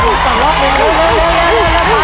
ออกไปแล้ว